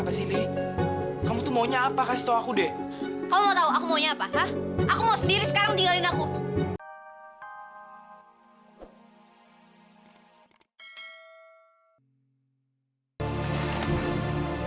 aku mau sendiri sekarang tinggalin aku